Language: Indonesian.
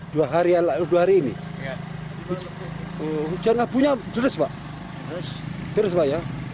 ya eh enggak lumayan rintik rintik kok